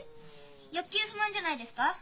欲求不満じゃないですか？